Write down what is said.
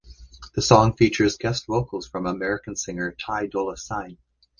The song features guest vocals from American singer Ty Dolla Sign.